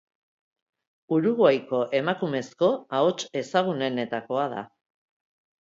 Uruguaiko emakumezko ahots ezagunenetakoa da.